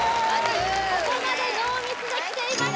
ここまでノーミスできています